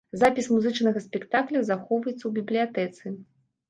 Запіс музычнага спектакля захоўваецца ў бібліятэцы.